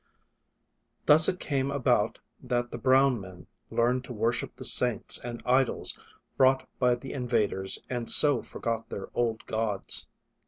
Thus it :ame about that the brown men learned to worship the saints and idols brought by the invaders and so forgot their old gods.